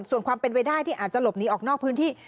ส่วนความเป็นไปได้ที่อาจจะหลบหนีออกนอกพื้นที่